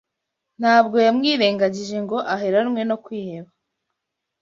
ntabwo yamwirengagije ngo aheranwe no kwiheba.